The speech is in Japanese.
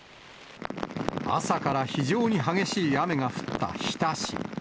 朝から非常に激しい雨が降った日田市。